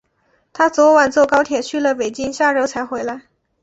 她昨晚坐高铁去了北京，下周才回来。